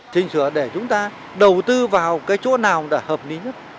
chính xửa để chúng ta đầu tư vào cái chỗ nào đã hợp lý nhất